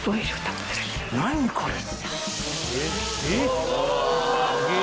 何これ！